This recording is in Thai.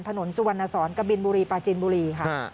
ถนนสุวรรณสอนกะบินบุรีปาจินบุรีค่ะ